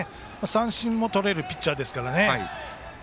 三振もとれるピッチャーですからね。